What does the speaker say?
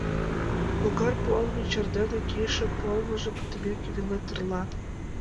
Логар пуалме чер дене кийыше пуалмыже пытымеке веле тырла.